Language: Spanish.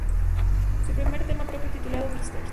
Su primer tema propio, titulado "Mr.